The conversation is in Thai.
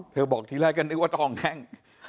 บอกทีแรกก็นึกว่าทองแห้ง